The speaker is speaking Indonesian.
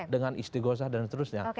dengan istighfah dan seterusnya